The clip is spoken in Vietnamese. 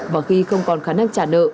và khi không còn khả năng trả nợ